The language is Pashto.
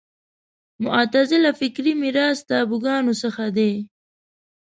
معتزله فکري میراث تابوګانو څخه دی